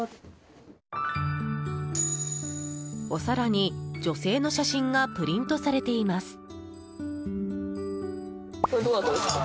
お皿に、女性の写真がプリントされています。